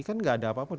kan gak ada apapun